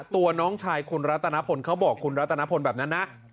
ตัวน้องชายคุณรัตนพลเขาบอกคุณรัตนพลแบบนั้นนะ